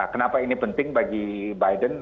kenapa ini penting bagi biden